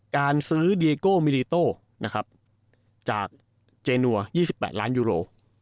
การซื้อดีโก้มินิโต้นะครับจากเจนัว๒๘ล้านยูโร